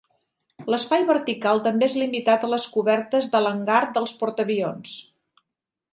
L'espai vertical també és limitat a les cobertes de l'hangar dels portaavions.